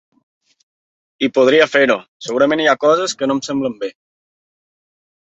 I podria fer-ho, segurament hi ha coses que no em semblen bé.